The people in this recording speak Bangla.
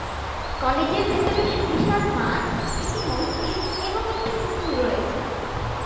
কলেজের ভিতরে সুবিশাল মাঠ, একটি মসজিদ এবং একটি পুকুর রয়েছে।